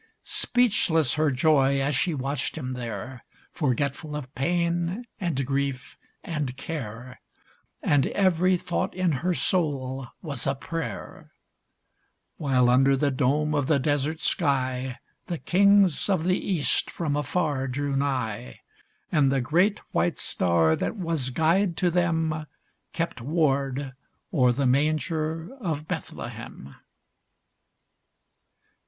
97 Speechless her joy as she watched him there, Forgetful of pain and grief and care, And every thought in her soul was a prayer ; While under the dome of the desert sky The Kings of the East from afar drew nigh, And the great white star that was guide to them Kept ward o'er the manger of Bethlehem.